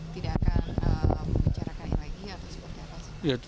tidak akan membicarakan lagi atau seperti apa